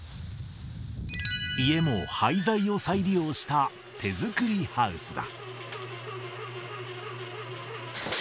家も廃材を再利用した手作りハウスだ。